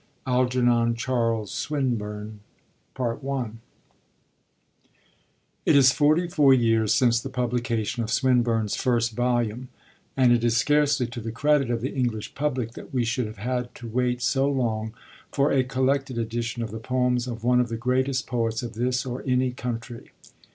ALGERNON CHARLES SWINBURNE I It is forty four years since the publication of Swinburne's first volume, and it is scarcely to the credit of the English public that we should have had to wait so long for a collected edition of the poems of one of the greatest poets of this or any country.